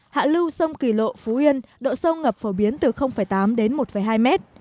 hạ lưu sông kỳ lộ phú yên độ sâu ngập phổ biến từ tám đến một hai mét